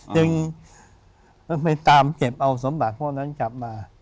จึงไปตามเก็บเอาสมบัติพวกนั้นกลับมา